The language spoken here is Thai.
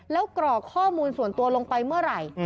แล้วกรอกข้อมูลส่วนตัวลงไปเมื่อไหร่